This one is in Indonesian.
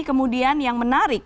kemudian yang menarik